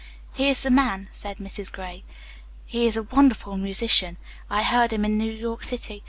"He is the man," said Mrs. Gray. "He is a wonderful musician. I heard him in New York City.